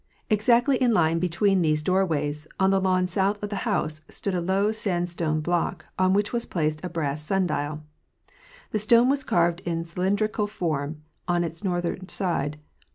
Exactly in line between these doorways, on the lawn south of the house, stood a low sandstone block, on which was placed a brass sun dial. The stone was carved in cylindrical form on its northern side.